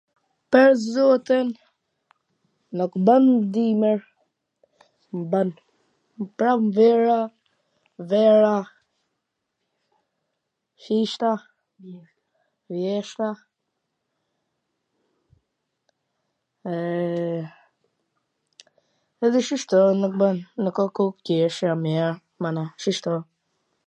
pwr zotin, nuk ban dimwr, ban pranvera, vera, kishta, vjeshta, edhe shishto nuk bwn, nkoh tjesh e mir, shishto, mana.